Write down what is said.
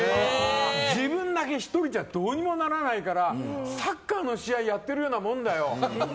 自分だけ１人じゃどうにもならないからサッカーの試合やってるようなもんだよ。